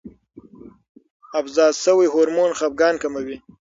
افراز شوی هورمون خپګان کموي.